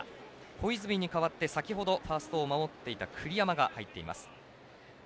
小泉に代わって先ほどファーストを守っていた栗山が入っています。